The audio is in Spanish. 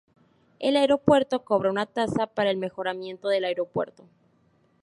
El aeropuerto cobra una tasa para el mejoramiento del Aeropuerto.